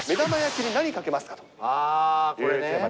あー、これね。